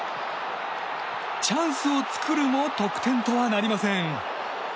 チャンスを作るも得点とはなりません。